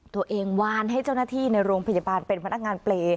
วานให้เจ้าหน้าที่ในโรงพยาบาลเป็นพนักงานเปรย์